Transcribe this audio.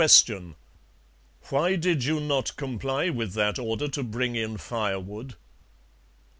Why did you not comply with that order to bring in firewood?